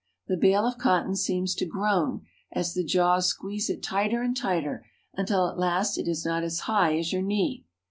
The bale of cotton seems to groan as the jaws squeeze it tighter and tighter until at last it is not as high as your knee.